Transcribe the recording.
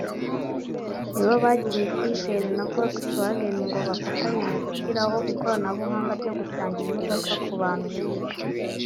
nibo bagiriwe icyizere na Volkswagen ngo bafatanye mu gushyiraho ikoranabuhanga ryo gusangira imodoka ku bantu benshi